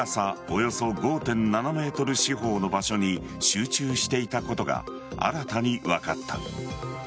およそ５．７ｍ四方の場所に集中していたことが新たに分かった。